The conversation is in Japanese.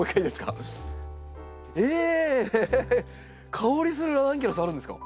香りするラナンキュラスあるんですか？